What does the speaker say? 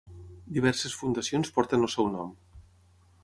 Diverses fundacions porten el seu nom.